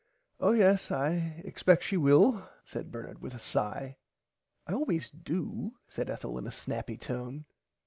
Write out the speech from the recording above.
[Pg 46] Oh yes I expect she will said Bernard with a sigh. I always do said Ethel in a snappy tone.